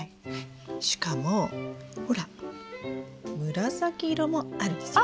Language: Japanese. しかもほら紫色もあるんですよ。